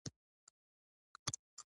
هره شېبه يې لارې څارلې چې څوک رانشي.